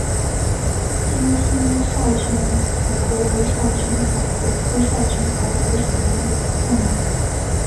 金星鞘群海葵为鞘群海葵科鞘群海葵属的动物。